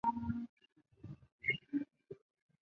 北京第一实验小学是中国北京市重点小学之一。